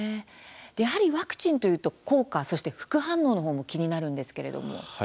やはりワクチンというと効果、そして副反応の方も気になるんですけれども。